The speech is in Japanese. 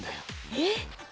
えっ！